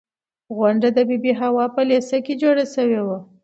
غونډه د بي بي حوا په لېسه کې جوړه شوې وه.